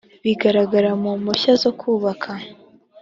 bigaragara mu mpushya zo kubaka